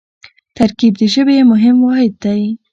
ترکیب د ژبې یو مهم واحد دئ.